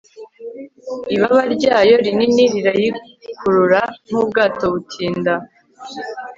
ibaba ryayo rinini rirayikurura nk'ubwato butinda